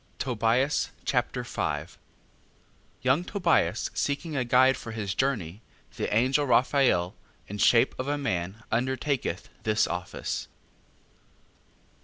Tobias Chapter 5 Young Tobias seeking a guide for his journey, the angel Raphael, in shape of a man, undertaketh this office.